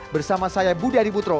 bersama saya budi adibutro